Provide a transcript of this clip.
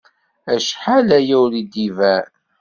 Acḥal aya ur d-iban.